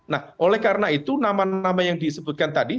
nah oleh karena itu nama nama yang disebutkan tadi